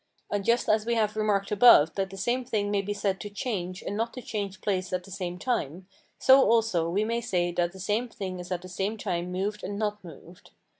And just as we have remarked above that the same thing may be said to change and not to change place at the same time, so also we may say that the same thing is at the same time moved and not moved.